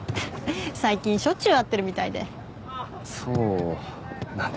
最近しょっちゅう会ってるみたいでそうなんですか